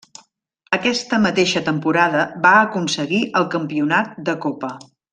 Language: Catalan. Aquesta mateixa temporada va aconseguir el campionat de copa.